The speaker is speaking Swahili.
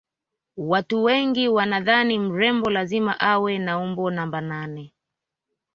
watu wengine wanadhani mrembo lazima awe na umbo namba nane